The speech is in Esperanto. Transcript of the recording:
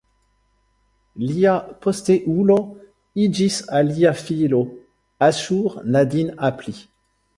Lia posteulo iĝis alia filo, Aŝur-nadin-apli.